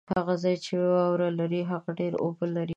هغه ځای چې واوره لري ، هغه ډېري اوبه لري